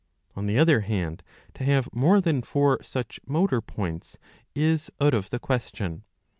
On the other hand, to have more than four such motor points is out of the question.